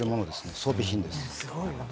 装備品です。